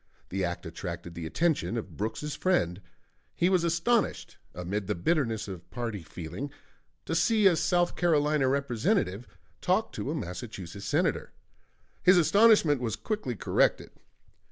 The act attracted the attention of Brooks's friend; he was astonished, amid the bitterness of party feeling, to see a South Carolina Representative talk to a Massachusetts Senator. His astonishment was quickly corrected.